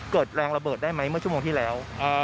เกิดแรงระเบิดได้ไหมเมื่อชั่วโมงที่แล้ว